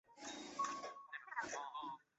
学区范围为孝深里与孝冈里二里地区。